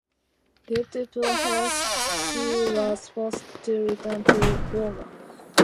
Due to poor health he was forced to return to Boma.